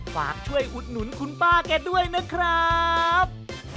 ฝากช่วยอุดหนุนคุณป้าแกด้วยนะครับ